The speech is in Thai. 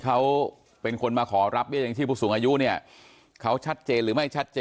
เขาเป็นคนมาขอรับที่ผู้สูงอายุเนี่ยเขาชัดเจนหรือไม่ชัด